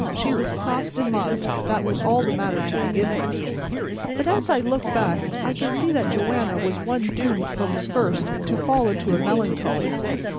"She was crossed in love, that was all the matter to begin with; but as I look back, I can see that Joanna was one doomed from the first to fall into a melancholy.